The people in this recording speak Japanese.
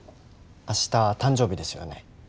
明日誕生日ですよね。